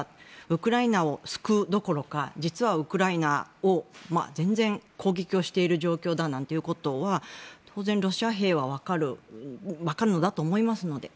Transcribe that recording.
ウクライナを救うどころか実はウクライナを全然、攻撃をしている状況だなんてことは当然、ロシア兵はわかるのだと思いますので。